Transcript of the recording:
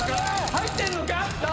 入ってんのか⁉頼む！